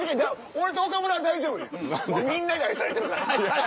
俺と岡村は大丈夫みんなに愛されてるから。